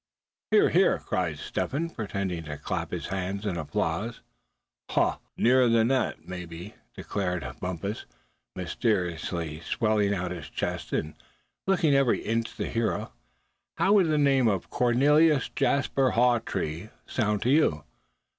"Hear! hear!" cried Step Hen, pretending to clap his hands in applause. "Huh! nearer than that, mebbe," declared Bumpus, mysteriously swelling out his chest and looking every inch the hero; "how would the name of Cornelius Jasper Hawtree sound to you?